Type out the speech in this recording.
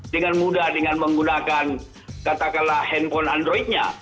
dengan mudah dengan menggunakan katakanlah handphone androidnya